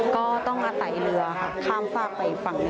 ก็ต้องใจเรือทางฝ้างไปทางนี้